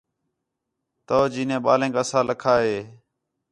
تَو چینے ٻالینک اَساں لَکھا ہِے